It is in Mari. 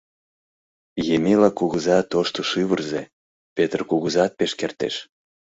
Емела кугыза тошто шӱвырзӧ, Петр кугызат пеш кертеш.